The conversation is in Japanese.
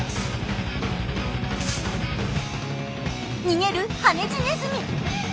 逃げるハネジネズミ。